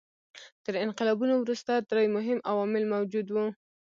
تر انقلابونو وروسته درې مهم عوامل موجود وو.